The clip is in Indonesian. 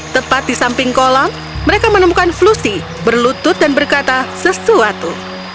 tepat di samping kolam mereka menemukan flusi berlutut dan berkata sesuatu